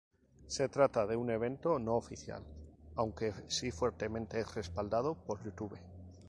Se trata de un evento no oficial, aunque sí fuertemente respaldado por Youtube.